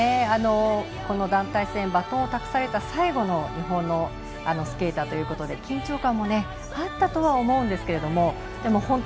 この団体戦バトンを託された最後の日本のスケーターということで緊張感もあったとは思うんですけれども